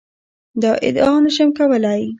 دا ادعا نه شم کولای.